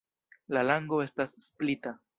La lango estas splita.